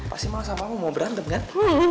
pasti mama sama kamu mau berantem kan